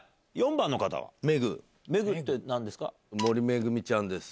４番の方「メグ」って何ですか？